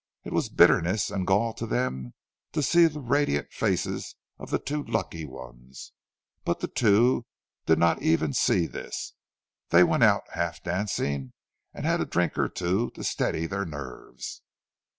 It was bitterness and gall to them to see the radiant faces of the two lucky ones; but the two did not even see this. They went out, half dancing, and had a drink or two to steady their nerves.